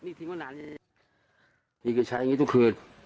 อีกคือใช้อย่างนี้ทุกคืน